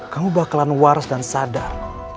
kamu bakalan waras dan sadar